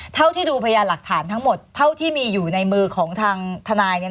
เท่าที่ดูพยานหลักฐานทั้งหมดเท่าที่มีอยู่ในมือของทางทนาย